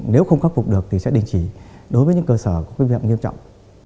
nếu không khắc phục được thì sẽ đình chỉ đối với những cơ sở có quyết định nghiêm trọng